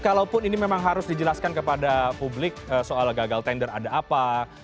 kalaupun ini memang harus dijelaskan kepada publik soal gagal tender ada apa